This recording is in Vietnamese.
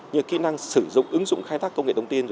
như kỹ năng sử dụng ứng dụng khai thác công nghệ thông tin